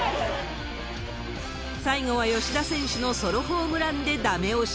最後は吉田選手のソロホームランでだめ押し。